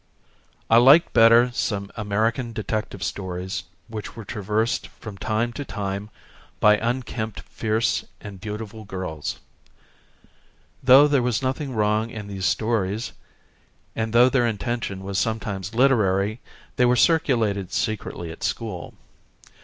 I liked better some American detective stories which were traversed from time to time by unkempt fierce and beautiful girls. Though there was nothing wrong in these stories and though their intention was sometimes literary they were circulated secretly at school.